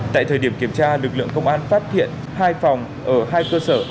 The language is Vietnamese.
tại thời điểm kiểm tra lực lượng công an phát hiện hai phòng ở hai cơ sở